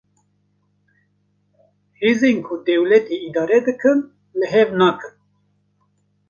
Hêzên ku dewletê îdare dikin, li hev nakin